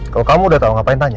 kalau kamu udah tahu ngapain tanya